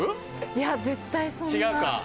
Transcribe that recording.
いや絶対そんな。